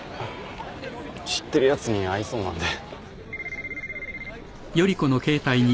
知ってるやつに会いそうなんで。